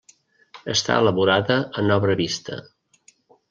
Està elaborada en obra vista.